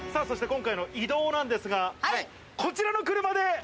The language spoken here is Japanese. そして今回の移動なんですが、こちらの車で！